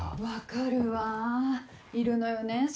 分かるわいるのよね